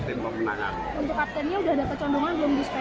untuk kaptennya sudah ada kecondongan belum di sekolah